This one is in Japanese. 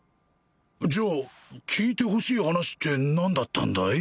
じゃあ聞いてほしい話って何だったんだい？